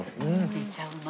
めちゃうま。